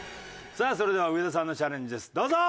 さあそれでは上田さんのチャレンジですどうぞ！